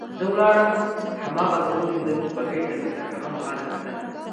زه ولاړم هماغلته ودرېدم، بګۍ ته مې تر هغه مهاله کتل.